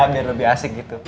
biar lebih asik gitu